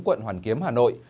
quận hoàn kiếm hà nội